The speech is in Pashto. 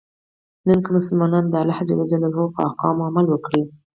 نن که مسلمانان د الله ج په احکامو عمل وکړي.